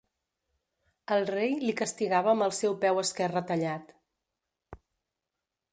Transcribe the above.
El rei li castigava amb el seu peu esquerre tallat.